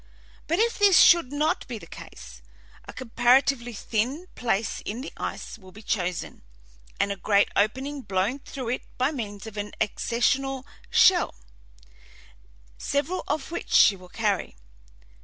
But if this should not be the case, a comparatively thin place in the ice will be chosen, and a great opening blown through it by means of an ascensional shell, several of which she will carry.